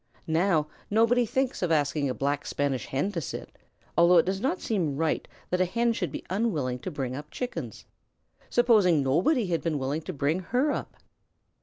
Now nobody thinks of asking a Black Spanish Hen to sit, although it does not seem right that a Hen should be unwilling to bring up chickens. Supposing nobody had been willing to bring her up?